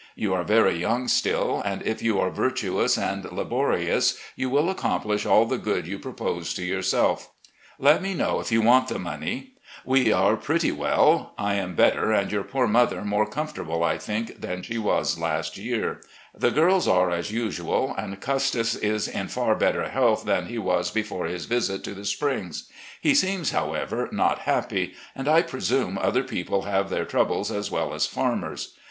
You are very young still, and if you are virtuous and laborious you win accomplish all the good you propose to yourself. Let me know if you want the money. We are pretty well. I am better and your poor motW more comforta *1 had written to him that they had destroyed all my hens. AN ADVISER OF YOUNG MEN 283 ble, I think, than she was last year. The girls are as usual, and Custis is in far better health than he was before his visit to the Springs. He seems, however, not happy, and I presume other people have their troubles as well as farmers.